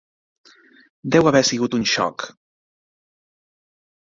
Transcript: Deu haver sigut un xoc.